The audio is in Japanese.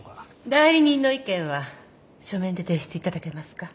代理人の意見は書面で提出いただけますか？